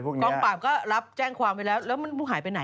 จริงโปรศน์กองปราพย์ก็รับแจ้งความไปแล้วแล้วมันหายไปไหน